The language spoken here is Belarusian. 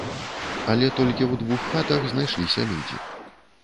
Але толькі ў двух хатах знайшліся людзі.